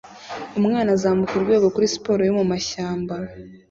Umwana azamuka urwego kuri siporo yo mu mashyamba